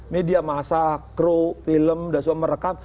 media masyarakat kru film sudah semua merekam